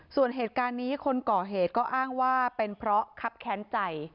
ส่วนเหตุการณ์นี้คนก่อเหตุก็อ้างว่าเป็นเพราะคับแค้นใจ